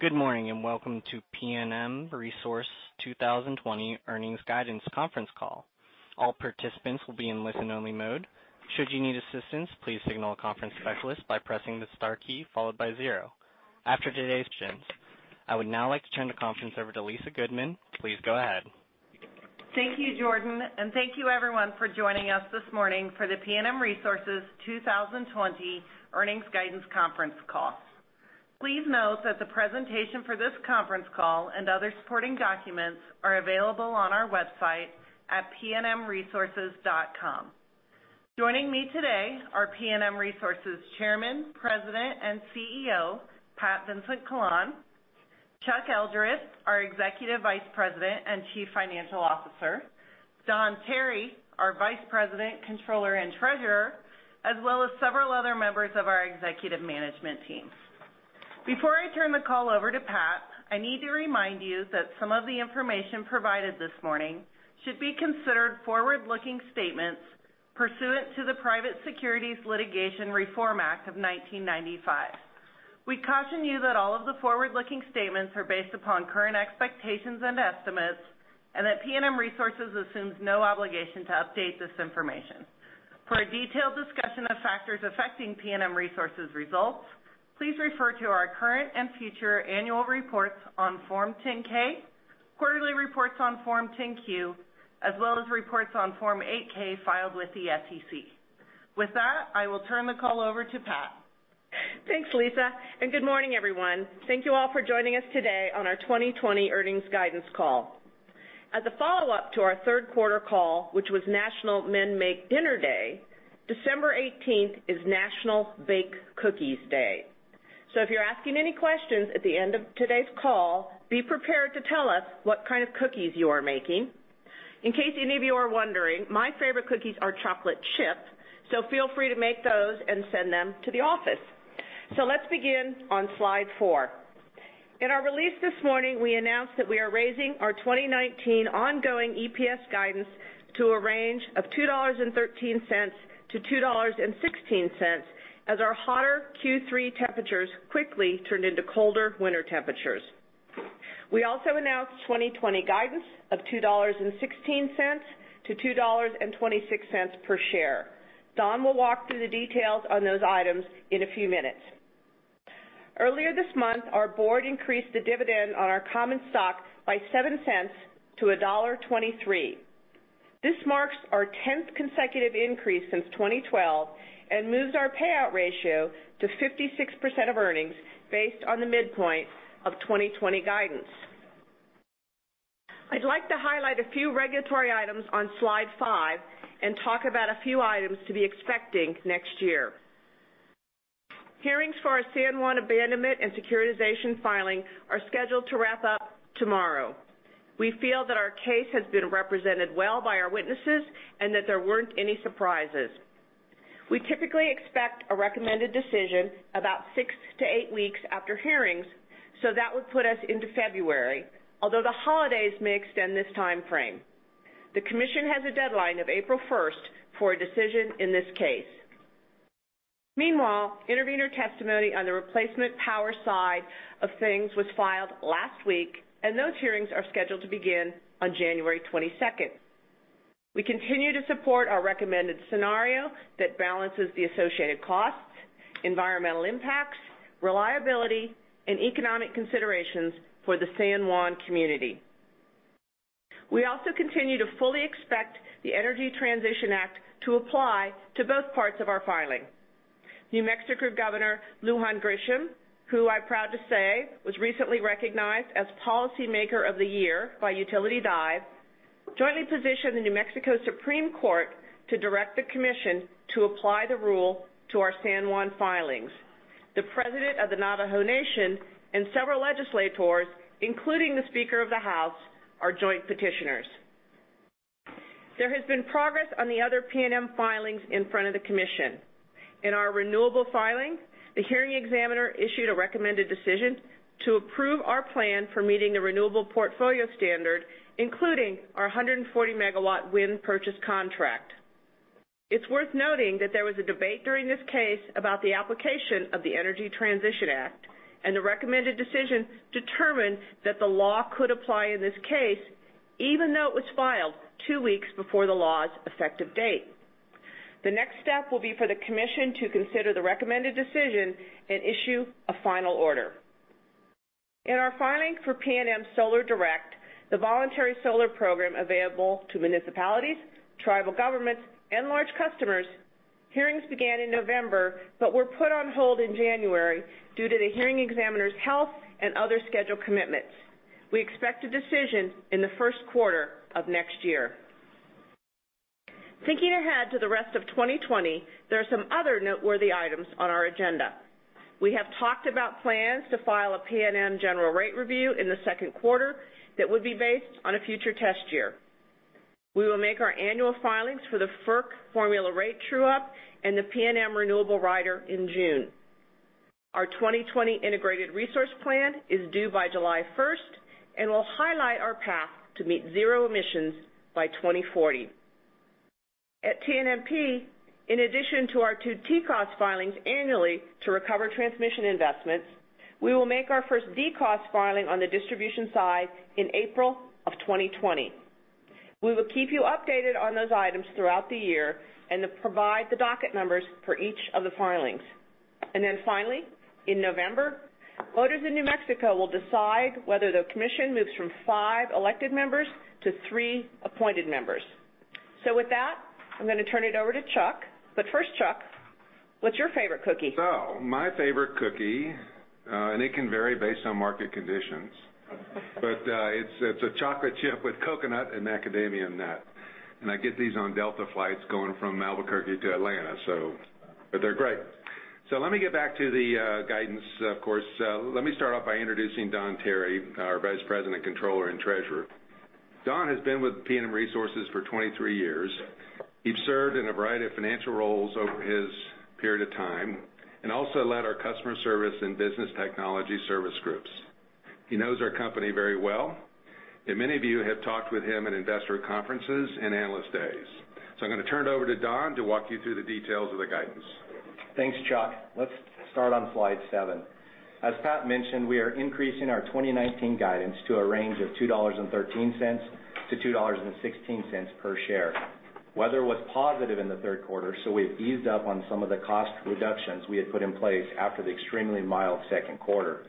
Good morning, and welcome to PNM Resources 2020 earnings guidance conference call. All participants will be in listen-only mode. Should you need assistance, please signal a conference specialist by pressing the star key followed by 0 after today's presentations. I would now like to turn the conference over to Lisa Goodman. Please go ahead. Thank you, Jordan, and thank you everyone for joining us this morning for the PNM Resources 2020 earnings guidance conference call. Please note that the presentation for this conference call and other supporting documents are available on our website at pnmresources.com. Joining me today are PNM Resources Chairman, President, and CEO, Pat Vincent-Collawn; Chuck Eldred, our Executive Vice President and Chief Financial Officer; Don Tarry, our Vice President, Controller, and Treasurer; as well as several other members of our executive management team. Before I turn the call over to Pat, I need to remind you that some of the information provided this morning should be considered forward-looking statements pursuant to the Private Securities Litigation Reform Act of 1995. We caution you that all of the forward-looking statements are based upon current expectations and estimates, and that PNM Resources assumes no obligation to update this information. For a detailed discussion of factors affecting PNM Resources results, please refer to our current and future annual reports on Form 10-K, quarterly reports on Form 10-Q, as well as reports on Form 8-K filed with the SEC. With that, I will turn the call over to Pat. Thanks, Lisa. Good morning, everyone. Thank you all for joining us today on our 2020 earnings guidance call. As a follow-up to our third quarter call, which was National Men Make Dinner Day, December 18th is National Bake Cookies Day. If you're asking any questions at the end of today's call, be prepared to tell us what kind of cookies you are making. In case any of you are wondering, my favorite cookies are chocolate chip, so feel free to make those and send them to the office. Let's begin on slide four. In our release this morning, we announced that we are raising our 2019 ongoing EPS guidance to a range of $2.13-$2.16, as our hotter Q3 temperatures quickly turned into colder winter temperatures. We also announced 2020 guidance of $2.16-$2.26 per share. Don will walk through the details on those items in a few minutes. Earlier this month, our board increased the dividend on our common stock by $0.07 to $1.23. This marks our 10th consecutive increase since 2012 and moves our payout ratio to 56% of earnings based on the midpoint of 2020 guidance. I'd like to highlight a few regulatory items on slide five and talk about a few items to be expecting next year. Hearings for our San Juan abandonment and securitization filing are scheduled to wrap up tomorrow. We feel that our case has been represented well by our witnesses and that there weren't any surprises. We typically expect a recommended decision about six to eight weeks after hearings. That would put us into February, although the holidays may extend this timeframe. The commission has a deadline of April 1st for a decision in this case. Meanwhile, intervener testimony on the replacement power side of things was filed last week, and those hearings are scheduled to begin on January 22nd. We continue to support our recommended scenario that balances the associated costs, environmental impacts, reliability, and economic considerations for the San Juan community. We also continue to fully expect the Energy Transition Act to apply to both parts of our filing. New Mexico Governor Michelle Lujan Grisham, who I'm proud to say was recently recognized as Policymaker of the Year by Utility Dive, jointly positioned the New Mexico Supreme Court to direct the commission to apply the rule to our San Juan filings. The president of the Navajo Nation and several legislators, including the Speaker of the House, are joint petitioners. There has been progress on the other PNM filings in front of the commission. In our renewable filing, the hearing examiner issued a recommended decision to approve our plan for meeting the renewable portfolio standard, including our 140-megawatt wind purchase contract. It's worth noting that there was a debate during this case about the application of the Energy Transition Act, and the recommended decision determined that the law could apply in this case, even though it was filed two weeks before the law's effective date. The next step will be for the commission to consider the recommended decision and issue a final order. In our filing for PNM Solar Direct, the voluntary solar program available to municipalities, tribal governments, and large customers, hearings began in November but were put on hold in January due to the hearing examiner's health and other schedule commitments. We expect a decision in the first quarter of next year. Thinking ahead to the rest of 2020, there are some other noteworthy items on our agenda. We have talked about plans to file a PNM general rate review in the second quarter that would be based on a future test year. We will make our annual filings for the FERC Formula Rate True-Up and the PNM Renewable Energy Rider in June. Our 2020 integrated resource plan is due by July 1st and will highlight our path to meet zero emissions by 2040. At TNMP, in addition to our two TCOS filings annually to recover transmission investments, we will make our first DCOS filing on the distribution side in April of 2020. We will keep you updated on those items throughout the year and then provide the docket numbers for each of the filings. Finally, in November, voters in New Mexico will decide whether the commission moves from five elected members to three appointed members. With that, I'm going to turn it over to Chuck. First, Chuck, what's your favorite cookie? My favorite cookie, and it can vary based on market conditions- but it's a chocolate chip with coconut and macadamia nut. I get these on Delta flights going from Albuquerque to Atlanta. They're great. Let me get back to the guidance, of course. Let me start off by introducing Don Tarry, our Vice President, Controller, and Treasurer. Don has been with PNM Resources for 23 years. He's served in a variety of financial roles over his period of time and also led our customer service and business technology service groups. He knows our company very well, and many of you have talked with him in investor conferences and analyst days. I'm going to turn it over to Don to walk you through the details of the guidance. Thanks, Chuck. Let's start on slide seven. As Pat mentioned, we are increasing our 2019 guidance to a range of $2.13-$2.16 per share. Weather was positive in the third quarter, we've eased up on some of the cost reductions we had put in place after the extremely mild second quarter.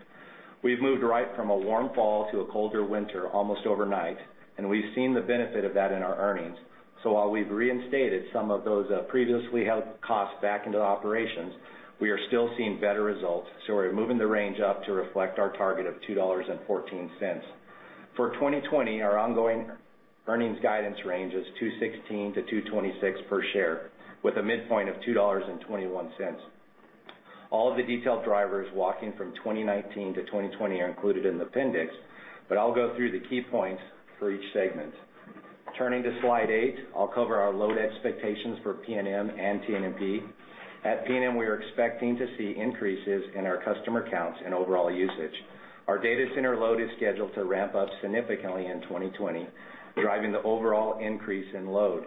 We've moved right from a warm fall to a colder winter almost overnight, and we've seen the benefit of that in our earnings. While we've reinstated some of those previously held costs back into the operations, we are still seeing better results. We're moving the range up to reflect our target of $2.14. For 2020, our ongoing earnings guidance range is $2.16-$2.26 per share, with a midpoint of $2.21. All of the detailed drivers walking from 2019 to 2020 are included in the appendix, but I'll go through the key points for each segment. Turning to slide eight, I'll cover our load expectations for PNM and TNMP. At PNM, we are expecting to see increases in our customer counts and overall usage. Our data center load is scheduled to ramp up significantly in 2020, driving the overall increase in load.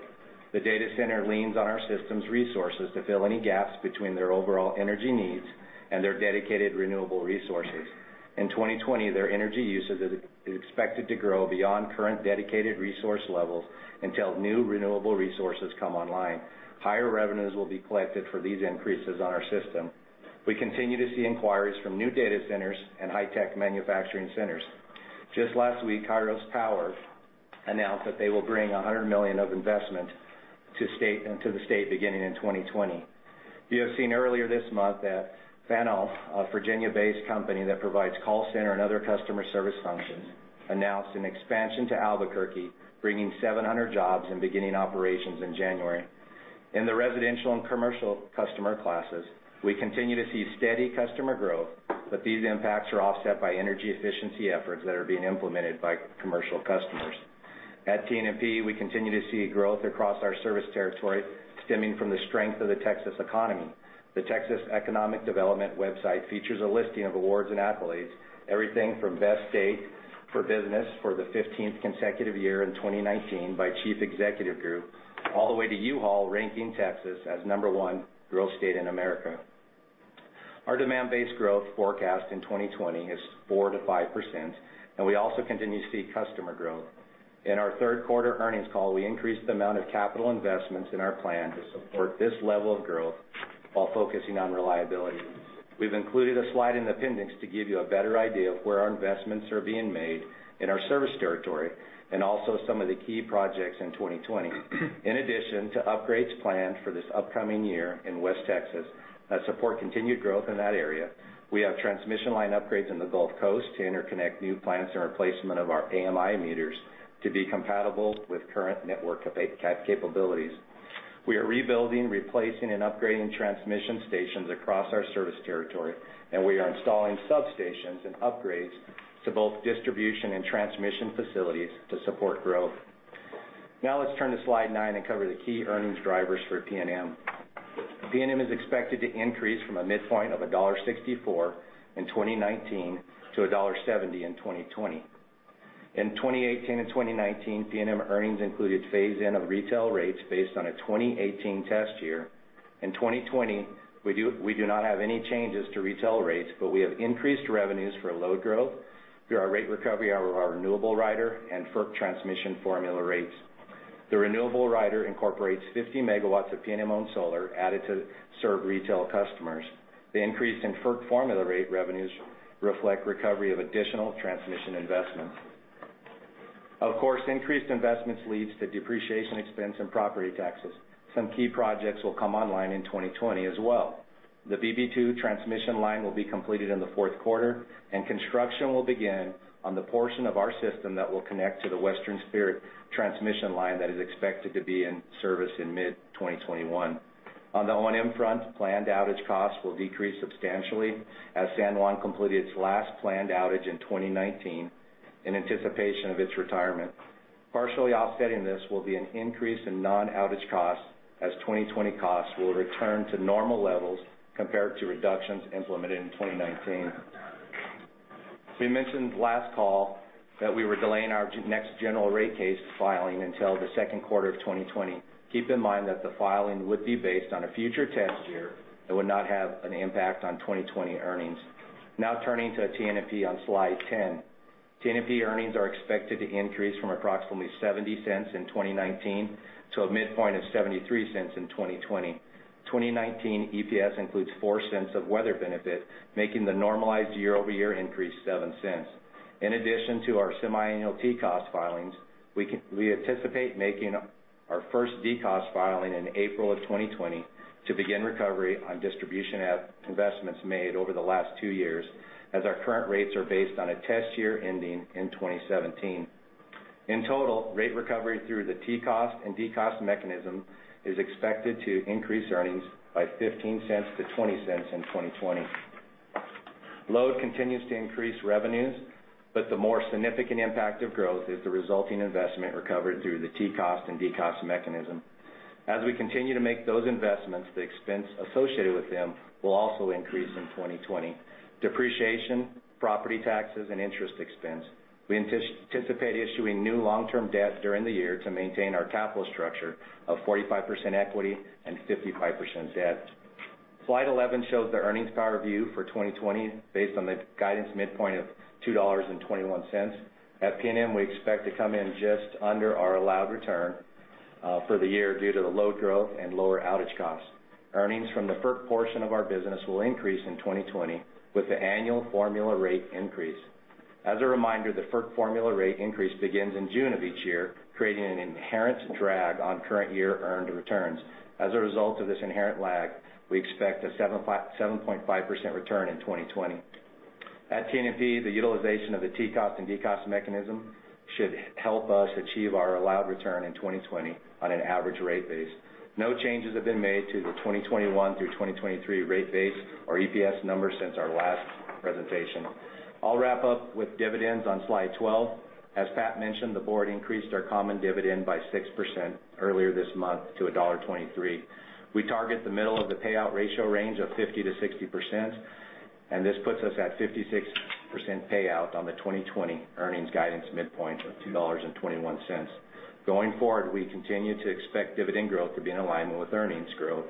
The data center leans on our system's resources to fill any gaps between their overall energy needs and their dedicated renewable resources. In 2020, their energy usage is expected to grow beyond current dedicated resource levels until new renewable resources come online. Higher revenues will be collected for these increases on our system. We continue to see inquiries from new data centers and high-tech manufacturing centers. Just last week, Kairos Power announced that they will bring $100 million of investment to the state beginning in 2020. You have seen earlier this month that Faneuil, a Virginia-based company that provides call center and other customer service functions, announced an expansion to Albuquerque, bringing 700 jobs and beginning operations in January. In the residential and commercial customer classes, we continue to see steady customer growth, these impacts are offset by energy efficiency efforts that are being implemented by commercial customers. At TNMP, we continue to see growth across our service territory stemming from the strength of the Texas economy. The Texas Economic Development website features a listing of awards and accolades, everything from best state for business for the 15th consecutive year in 2019 by Chief Executive Group, all the way to U-Haul ranking Texas as number one growth state in America. Our demand-based growth forecast in 2020 is 4%-5%, and we also continue to see customer growth. In our third quarter earnings call, we increased the amount of capital investments in our plan to support this level of growth while focusing on reliability. We've included a slide in the appendix to give you a better idea of where our investments are being made in our service territory and also some of the key projects in 2020. In addition to upgrades planned for this upcoming year in West Texas that support continued growth in that area, we have transmission line upgrades in the Gulf Coast to interconnect new plants and replacement of our AMI meters to be compatible with current network capabilities. We are rebuilding, replacing, and upgrading transmission stations across our service territory, and we are installing substations and upgrades to both distribution and transmission facilities to support growth. Now let's turn to slide nine and cover the key earnings drivers for PNM. PNM is expected to increase from a midpoint of $1.64 in 2019 to $1.70 in 2020. In 2018 and 2019, PNM earnings included phase-in of retail rates based on a 2018 test year. In 2020, we do not have any changes to retail rates, but we have increased revenues for load growth through our rate recovery of our renewable rider and FERC transmission formula rates. The renewable rider incorporates 50 megawatts of PNM-owned solar added to serve retail customers. The increase in FERC formula rate revenues reflects recovery of additional transmission investments. Of course, increased investments lead to depreciation expense and property taxes. Some key projects will come online in 2020 as well. The BV2 transmission line will be completed in the fourth quarter, and construction will begin on the portion of our system that will connect to the Western Spirit transmission line that is expected to be in service in mid-2021. On the O&M front, planned outage costs will decrease substantially as San Juan completed its last planned outage in 2019 in anticipation of its retirement. Partially offsetting this will be an increase in non-outage costs as 2020 costs will return to normal levels compared to reductions implemented in 2019. We mentioned last call that we were delaying our next general rate case filing until the second quarter of 2020. Keep in mind that the filing would be based on a future test year and would not have an impact on 2020 earnings. Now turning to TNMP on slide 10. TNMP earnings are expected to increase from approximately $0.70 in 2019 to a midpoint of $0.73 in 2020. 2019 EPS includes $0.04 of weather benefit, making the normalized year-over-year increase $0.07. In addition to our semiannual TCOS filings, we anticipate making our first DCOS filing in April of 2020 to begin recovery on distribution investments made over the last two years, as our current rates are based on a test year ending in 2017. In total, rate recovery through the TCOS and DCOS mechanism is expected to increase earnings by $0.15-$0.20 in 2020. Load continues to increase revenues, the more significant impact of growth is the resulting investment recovered through the TCOS and DCOS mechanism. As we continue to make those investments, the expense associated with them will also increase in 2020. Depreciation, property taxes, and interest expense. We anticipate issuing new long-term debt during the year to maintain our capital structure of 45% equity and 55% debt. Slide 11 shows the earnings power view for 2020, based on the guidance midpoint of $2.21. At PNM, we expect to come in just under our allowed return for the year due to the low growth and lower outage costs. Earnings from the FERC portion of our business will increase in 2020 with the annual formula rate increase. As a reminder, the FERC formula rate increase begins in June of each year, creating an inherent drag on current year earned returns. As a result of this inherent lag, we expect a 7.5% return in 2020. At TNMP, the utilization of the TCOS and DCOS mechanism should help us achieve our allowed return in 2020 on an average rate base. No changes have been made to the 2021 through 2023 rate base or EPS numbers since our last presentation. I'll wrap up with dividends on slide 12. As Pat mentioned, the board increased our common dividend by 6% earlier this month to $1.23. We target the middle of the payout ratio range of 50%-60%, and this puts us at 56% payout on the 2020 earnings guidance midpoint of $2.21. Going forward, we continue to expect dividend growth to be in alignment with earnings growth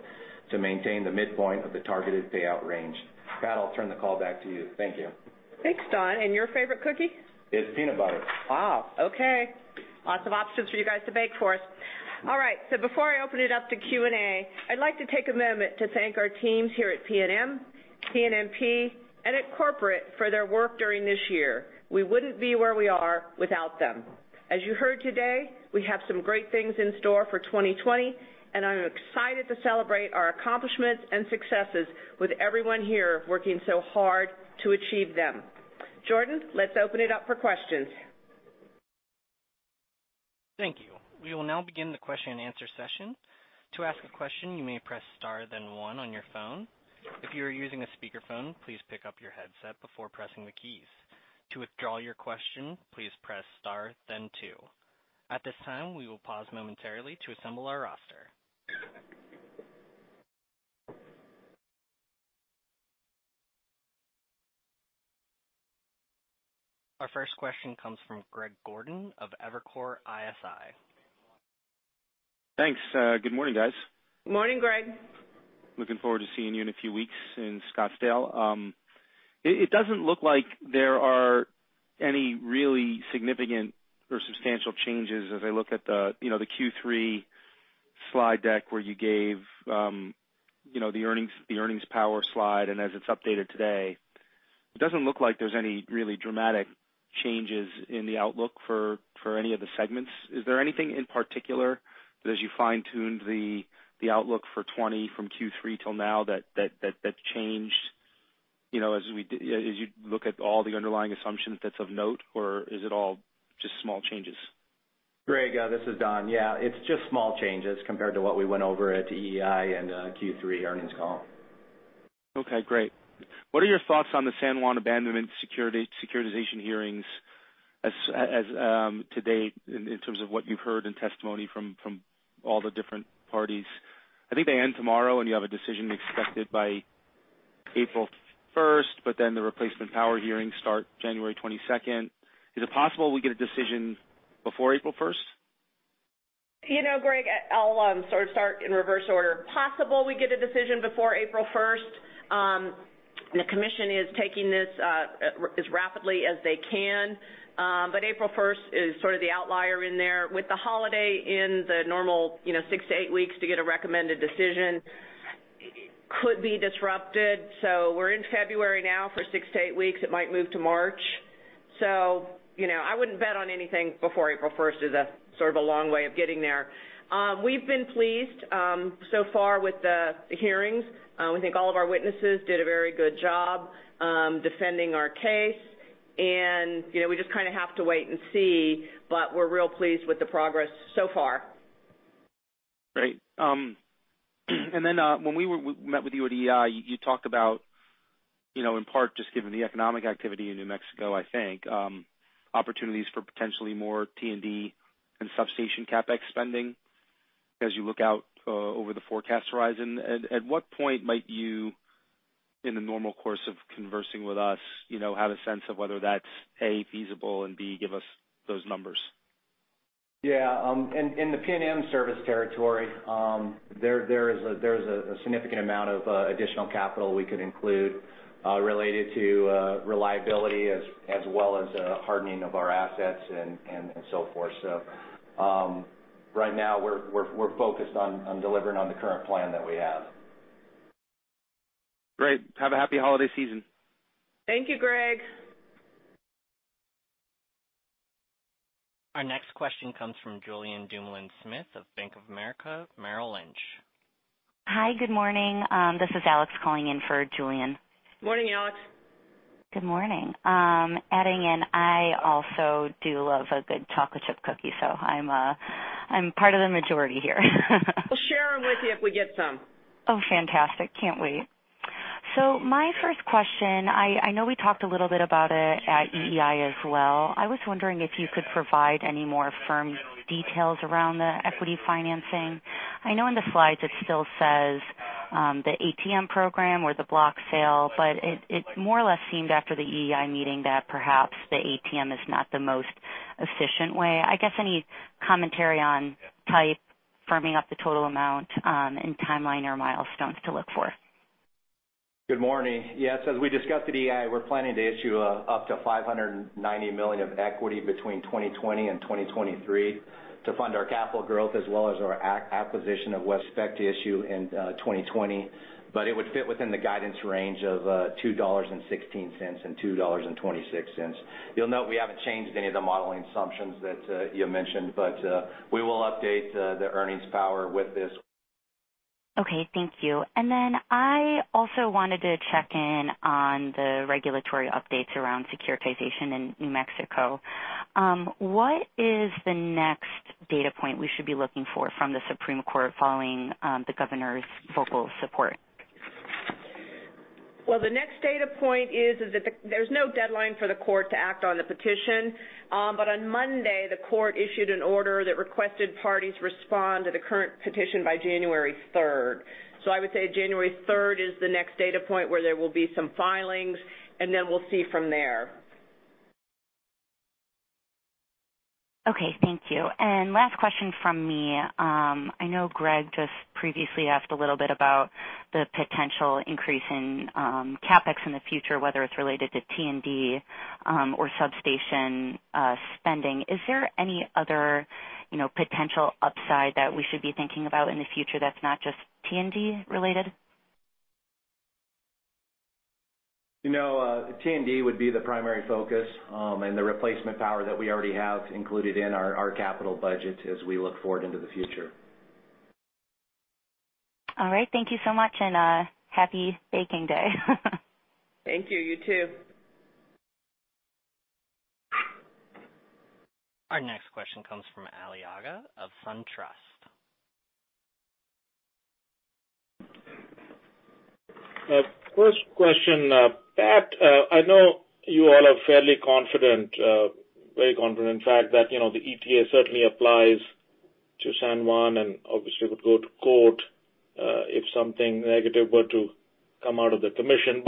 to maintain the midpoint of the targeted payout range. Pat, I'll turn the call back to you. Thank you. Thanks, Don. Your favorite cookie? It's peanut butter. Wow, okay. Lots of options for you guys to bake for us. All right, before I open it up to Q&A, I'd like to take a moment to thank our teams here at PNM, TNMP, and at corporate for their work during this year. We wouldn't be where we are without them. As you heard today, we have some great things in store for 2020. I'm excited to celebrate our accomplishments and successes with everyone here working so hard to achieve them. Jordan, let's open it up for questions. Thank you. We will now begin the question and answer session. To ask a question, you may press star then one on your phone. If you are using a speakerphone, please pick up your headset before pressing the keys. To withdraw your question, please press star then two. At this time, we will pause momentarily to assemble our roster. Our first question comes from Greg Gordon of Evercore ISI. Thanks. Good morning, guys. Morning, Greg. Looking forward to seeing you in a few weeks in Scottsdale. It doesn't look like there are any really significant or substantial changes as I look at the Q3 slide deck where you gave the earnings power slide, and as it's updated today. It doesn't look like there's any really dramatic changes in the outlook for any of the segments. Is there anything in particular that as you fine-tuned the outlook for 2020 from Q3 till now that changed as you look at all the underlying assumptions that's of note, or is it all just small changes? Greg, this is Don. Yeah, it's just small changes compared to what we went over at the EEI and Q3 earnings call. Okay, great. What are your thoughts on the San Juan abandonment securitization hearings as to date in terms of what you've heard in testimony from all the different parties? I think they end tomorrow, and you have a decision expected by April 1st, but then the replacement power hearings start January 22nd. Is it possible we get a decision before April 1st? Greg, I'll sort of start in reverse order. Possible we get a decision before April 1st. The commission is taking this as rapidly as they can. April 1st is sort of the outlier in there. With the holiday in the normal six to eight weeks to get a recommended decision could be disrupted. We're in February now. For six to eight weeks, it might move to March. I wouldn't bet on anything before April 1st as a sort of a long way of getting there. We've been pleased so far with the hearings. We think all of our witnesses did a very good job defending our case, and we just kind of have to wait and see, but we're real pleased with the progress so far. Great. When we met with you at EEI, you talked about, in part just given the economic activity in New Mexico, I think, opportunities for potentially more T&D and substation CapEx spending. As you look out over the forecast horizon, at what point might you, in the normal course of conversing with us, have a sense of whether that's, A, feasible, and B, give us those numbers? Yeah. In the PNM service territory, there is a significant amount of additional capital we could include related to reliability as well as hardening of our assets and so forth. Right now, we're focused on delivering on the current plan that we have. Great. Have a happy holiday season. Thank you, Greg. Our next question comes from Julien Dumoulin-Smith of Bank of America Merrill Lynch. Hi, good morning. This is Alex calling in for Julien. Morning, Alex. Good morning. Adding in, I also do love a good chocolate chip cookie, so I'm part of the majority here. We'll share them with you if we get some. Oh, fantastic. Can't wait. My first question, I know we talked a little bit about it at EEI as well. I was wondering if you could provide any more firm details around the equity financing. I know in the slides it still says, the ATM program or the block sale, but it more or less seemed after the EEI meeting that perhaps the ATM is not the most efficient way. I guess, any commentary on type firming up the total amount, and timeline or milestones to look for? Good morning. Yes, as we discussed at EEI, we're planning to issue up to $590 million of equity between 2020 and 2023 to fund our capital growth as well as our acquisition of Western Spirit to issue in 2020. It would fit within the guidance range of $2.16-$2.26. You'll note we haven't changed any of the modeling assumptions that you mentioned, but we will update the earnings power with this. Okay, thank you. I also wanted to check in on the regulatory updates around securitization in New Mexico. What is the next data point we should be looking for from the Supreme Court following the Governor's vocal support? Well, the next data point is that there's no deadline for the court to act on the petition. On Monday, the court issued an order that requested parties respond to the current petition by January 3rd. I would say January 3rd is the next data point where there will be some filings, and then we'll see from there. Okay, thank you. Last question from me. I know Greg just previously asked a little bit about the potential increase in CapEx in the future, whether it's related to T&D or substation spending. Is there any other potential upside that we should be thinking about in the future that's not just T&D-related? T&D would be the primary focus, and the replacement power that we already have included in our capital budget as we look forward into the future. All right. Thank you so much, and happy baking day. Thank you. You too. Our next question comes from Ali Agha of SunTrust. First question. Pat, I know you all are fairly confident, very confident in fact, that the ETA certainly applies to San Juan and obviously would go to court, if something negative were to come out of the commission.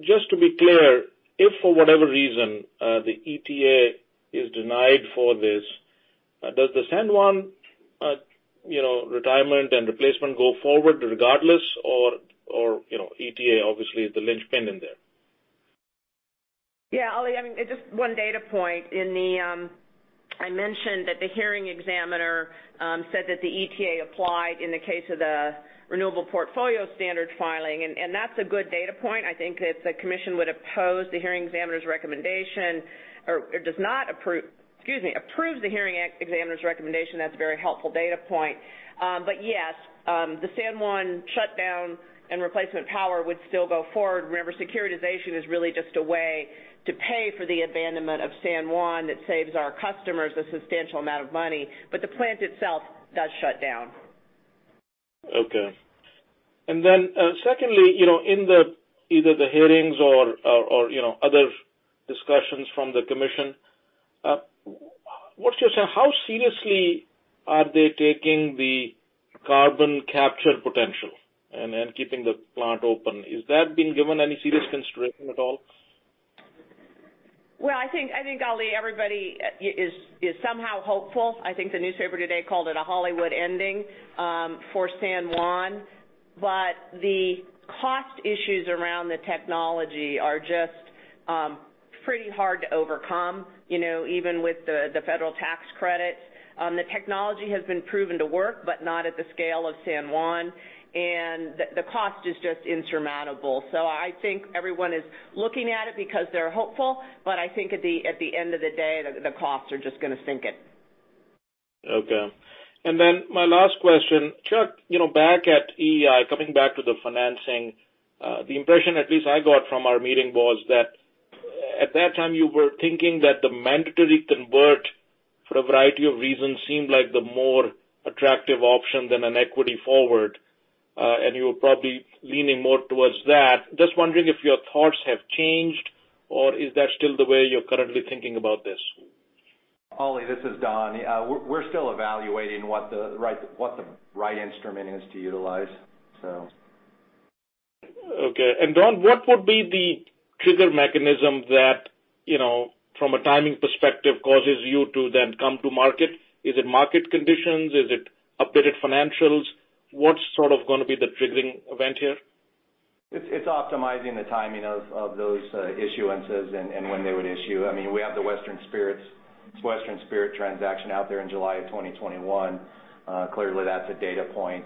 Just to be clear, if for whatever reason, the ETA is denied for this, does the San Juan retirement and replacement go forward regardless or ETA obviously is the linchpin in there? Yeah, Ali, just one data point. I mentioned that the hearing examiner said that the ETA applied in the case of the Renewable Portfolio Standard filing. That's a good data point. I think if the commission would oppose the hearing examiner's recommendation or does not approve, excuse me, approves the hearing examiner's recommendation, that's a very helpful data point. Yes, the San Juan shutdown and replacement power would still go forward. Remember, securitization is really just a way to pay for the abandonment of San Juan that saves our customers a substantial amount of money. The plant itself does shut down. Okay. Secondly, in either the hearings or other discussions from the commission, how seriously are they taking the carbon capture potential and then keeping the plant open? Is that being given any serious consideration at all? I think, Ali, everybody is somehow hopeful. I think the newspaper today called it a Hollywood ending for San Juan. The cost issues around the technology are just pretty hard to overcome, even with the federal tax credit. The technology has been proven to work, but not at the scale of San Juan, and the cost is just insurmountable. I think everyone is looking at it because they're hopeful, but I think at the end of the day, the costs are just going to sink it. Okay. My last question. Chuck, back at EEI, coming back to the financing, the impression at least I got from our meeting was that at that time you were thinking that the mandatory convert, for a variety of reasons, seemed like the more attractive option than an equity forward. You're probably leaning more towards that. Just wondering if your thoughts have changed, or is that still the way you're currently thinking about this? Ali, this is Don. We're still evaluating what the right instrument is to utilize. Okay. Don, what would be the trigger mechanism that, from a timing perspective, causes you to then come to market? Is it market conditions? Is it updated financials? What's going to be the triggering event here? It's optimizing the timing of those issuances and when they would issue. We have the Western Spirit transaction out there in July of 2021. Clearly, that's a data point.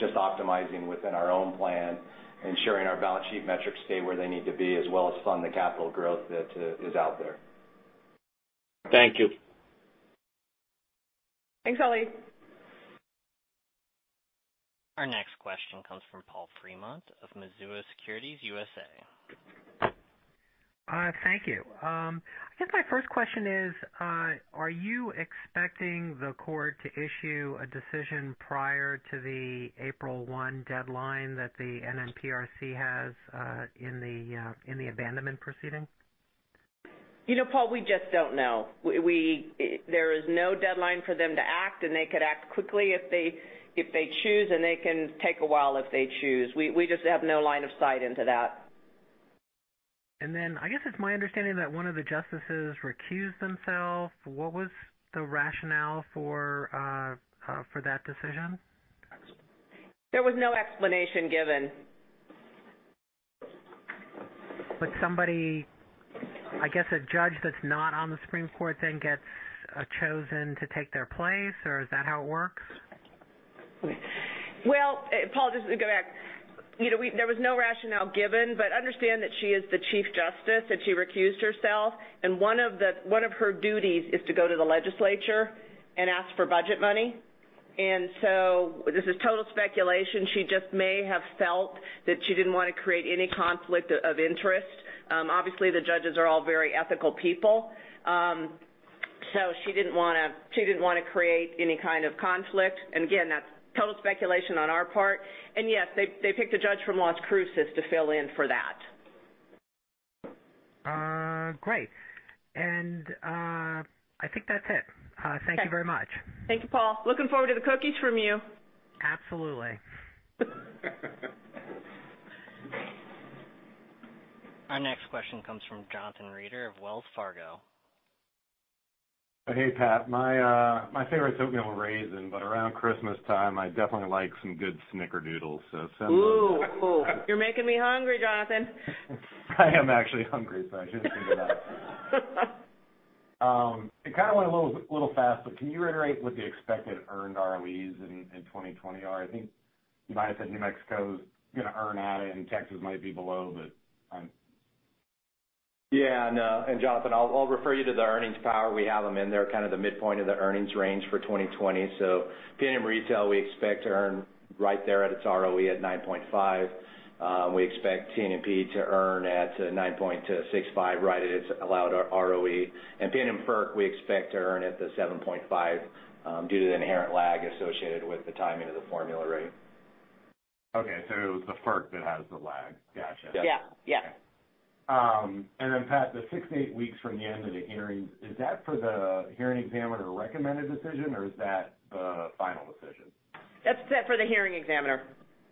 Just optimizing within our own plan, ensuring our balance sheet metrics stay where they need to be, as well as fund the capital growth that is out there. Thank you. Thanks, Ali. Our next question comes from Paul Fremont of Mizuho Securities USA. Thank you. I guess my first question is, are you expecting the court to issue a decision prior to the April 1 deadline that the NMPRC has in the abandonment proceeding? Paul, we just don't know. There is no deadline for them to act, and they could act quickly if they choose, and they can take a while if they choose. We just have no line of sight into that. I guess it's my understanding that one of the justices recused themselves. What was the rationale for that decision? There was no explanation given. Would somebody, I guess a judge that's not on the Supreme Court, then gets chosen to take their place, or is that how it works? Well, Paul, just to go back. There was no rationale given, understand that she is the chief justice, that she recused herself, and one of her duties is to go to the legislature and ask for budget money. This is total speculation. She just may have felt that she didn't want to create any conflict of interest. Obviously, the judges are all very ethical people. She didn't want to create any kind of conflict. Again, that's total speculation on our part. Yes, they picked a judge from Las Cruces to fill in for that. Great. I think that's it. Thank you very much. Thank you, Paul. Looking forward to the cookies from you. Absolutely. Our next question comes from Jonathan Reeder of Wells Fargo. Hey, Pat, my favorite's oatmeal raisin, but around Christmas time, I definitely like some good snickerdoodles, so send those over. Ooh. You're making me hungry, Jonathan. I am actually hungry, so I shouldn't say that. It kind of went a little fast, but can you reiterate what the expected earned ROEs in 2020 are? I think you might have said New Mexico's going to earn at it and Texas might be below, but I'm. Jonathan, I'll refer you to the earnings power. We have them in there, kind of the midpoint of the earnings range for 2020. PNM Retail, we expect to earn right there at its ROE at 9.5%. We expect TNMP to earn at 9.65%, right at its allowed ROE. PNM FERC, we expect to earn at the 7.5% due to the inherent lag associated with the timing of the formula rate. Okay, it was the FERC that has the lag. Gotcha. Yes. Yeah. Pat, the six to eight weeks from the end of the hearings, is that for the hearing examiner recommended decision or is that the final decision? That's set for the hearing examiner,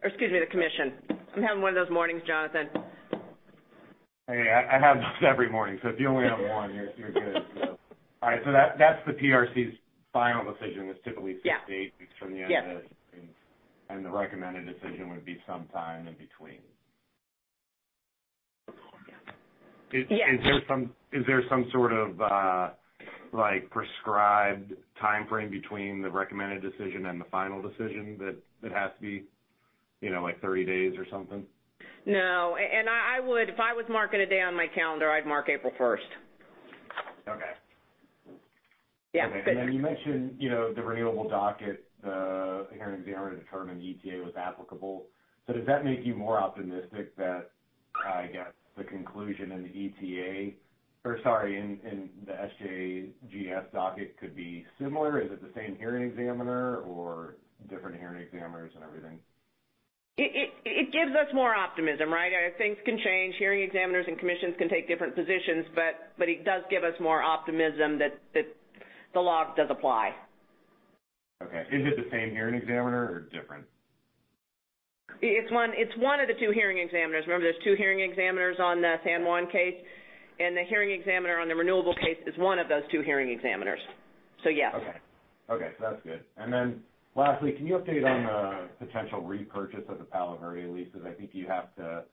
or excuse me, the commission. I'm having one of those mornings, Jonathan. Hey, I have those every morning, so if you only have one, you're good. All right, that's the PRC's final decision is typically six to eight weeks from the end of the hearing. Yes. The recommended decision would be sometime in between. Yes. Is there some sort of prescribed timeframe between the recommended decision and the final decision that has to be 30 days or something? No. If I was marking a day on my calendar, I'd mark April first. Okay. Yeah. You mentioned the renewable docket, the hearing examiner determined the ETA was applicable. Does that make you more optimistic that, I guess, the conclusion in the ETA, or sorry, in the SJGS docket could be similar? Is it the same hearing examiner or different hearing examiners and everything? It gives us more optimism, right? Things can change. Hearing examiners and commissions can take different positions, but it does give us more optimism that the law does apply. Okay. Is it the same hearing examiner or different? It's one of the two hearing examiners. Remember, there's two hearing examiners on the San Juan case, and the hearing examiner on the renewable case is one of those two hearing examiners. Yes. Okay. That's good. Lastly, can you update on the potential repurchase of the Palo Verde leases? I think you have to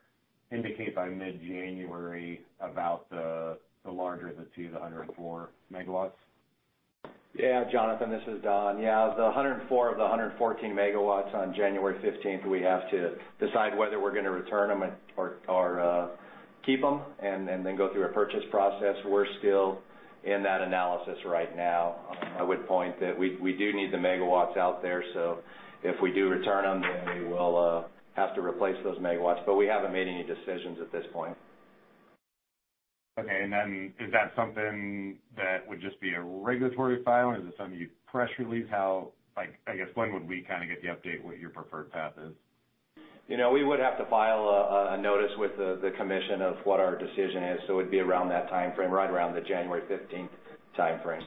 indicate by mid-January about the larger of the two, the 104 megawatts. Jonathan, this is Don. The 104 of the 114 megawatts on January 15th, we have to decide whether we're going to return them or keep them and then go through a purchase process. We're still in that analysis right now. I would point that we do need the megawatts out there, so if we do return them, then we will have to replace those megawatts. We haven't made any decisions at this point. Okay. Is that something that would just be a regulatory filing? Is it something you press release? I guess, when would we get the update what your preferred path is? We would have to file a notice with the commission of what our decision is. It'd be around that timeframe, right around the January 15th timeframe.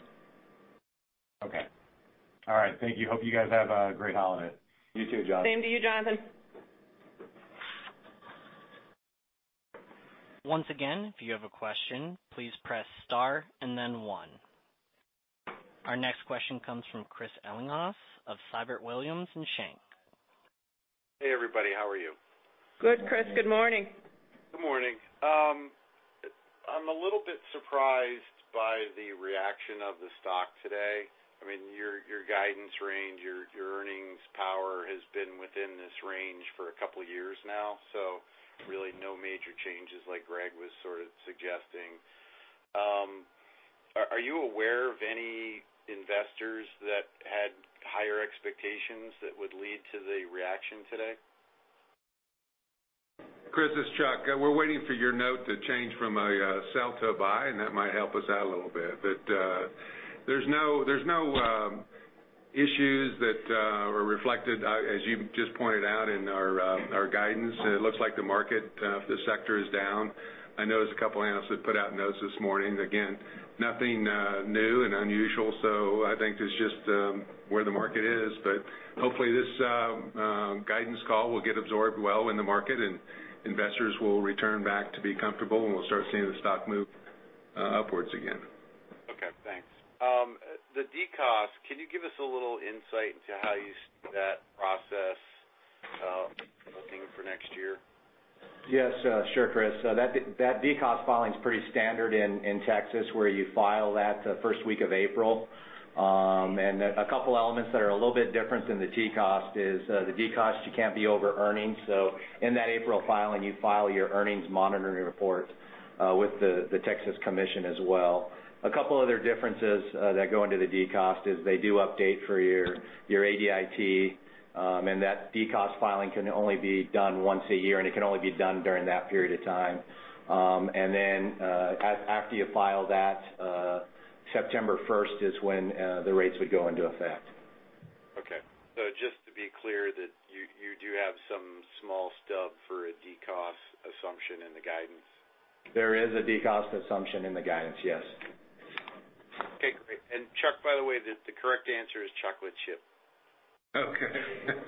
Okay. All right. Thank you. Hope you guys have a great holiday. You too, Jonathan. Same to you, Jonathan. Once again, if you have a question, please press star and then one. Our next question comes from Chris Ellinghaus of Siebert Williams Shank. Hey, everybody. How are you? Good, Chris. Good morning. Good morning. I'm a little bit surprised by the reaction of the stock today. Your guidance range, your earnings power has been within this range for a couple of years now. Really no major changes like Greg was sort of suggesting. Are you aware of any investors that had higher expectations that would lead to the reaction today? Chris, this is Chuck. We're waiting for your note to change from a sell to a buy. That might help us out a little bit. There's no issues that are reflected, as you just pointed out in our guidance. It looks like the market, the sector is down. I know there's a couple of analysts that put out notes this morning. Again, nothing new and unusual. I think it's just where the market is. Hopefully this guidance call will get absorbed well in the market. Investors will return back to be comfortable. We'll start seeing the stock move upwards again. Okay, thanks. The DCOS, can you give us a little insight into how you see that process looking for next year? Yes. Sure, Chris. That DCOS filing is pretty standard in Texas where you file that the first week of April. A couple elements that are a little bit different than the TCOS is the DCOS you can't be over earnings. In that April filing, you file your earnings monitoring report with the Texas Commission as well. A couple other differences that go into the DCOS is they do update for your ADIT and that DCOS filing can only be done once a year, and it can only be done during that period of time. After you file that, September 1st is when the rates would go into effect. Okay. Just to be clear that you do have some small stub for a DCOS assumption in the guidance. There is a DCOS assumption in the guidance, yes. Okay, great. Chuck, by the way, the correct answer is chocolate chip. Okay.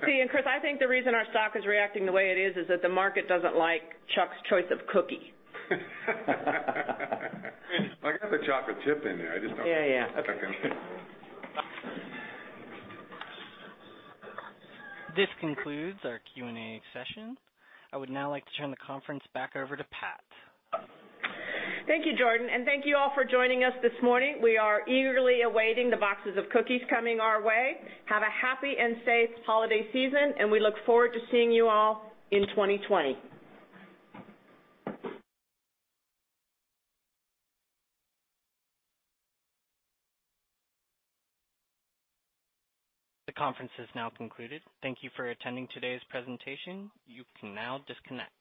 See, Chris, I think the reason our stock is reacting the way it is that the market doesn't like Chuck's choice of cookie. I got the chocolate chip in there. Yeah. I can't. This concludes our Q&A session. I would now like to turn the conference back over to Pat. Thank you, Jordan. Thank you all for joining us this morning. We are eagerly awaiting the boxes of cookies coming our way. Have a happy and safe holiday season, and we look forward to seeing you all in 2020. The conference is now concluded. Thank you for attending today's presentation. You can now disconnect.